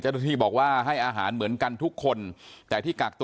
เจ้าหน้าที่บอกว่าให้อาหารเหมือนกันทุกคนแต่ที่กักตัว